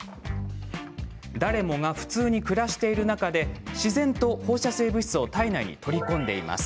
誰もが普通に暮らしている中で自然と放射性物質を体内に取り込んでいます。